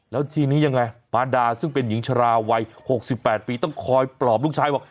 แล้วทีนี้ยังไงมาดาซึ่งเป็นหญิงชราวัย๖๘ปีต้องคอยปลอบลูกชายบอก